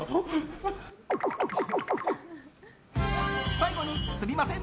最後にすみません。